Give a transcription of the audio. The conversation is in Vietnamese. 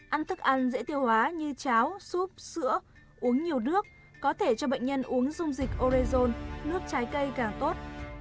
ăn thức ăn dễ tiêu hóa như cháo xúp sữa uống nhiều nước có thể cho bệnh nhân uống dung dịch orezon nước trái cây càng tốt